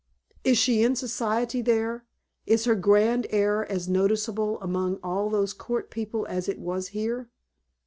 "Is she in Society there? Is her grand air as noticeable among all those court people as it was here?"